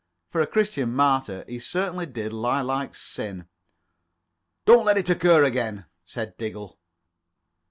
(For a Christian martyr he certainly did lie like sin.) "Don't let it occur again," said Diggle.